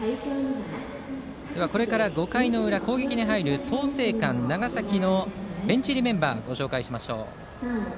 これから５回裏、攻撃に入る長崎・創成館のベンチ入りメンバーをご紹介します。